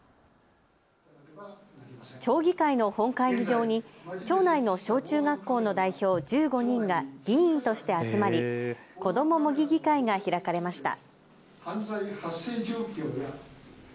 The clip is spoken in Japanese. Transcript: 町議会の本会議場に町内の小中学校の代表１５人が議員として集まりこども模擬議会が開かれました。